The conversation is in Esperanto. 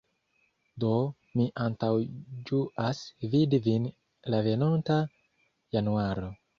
Do, mi antaŭĝuas vidi vin la venonta januaro.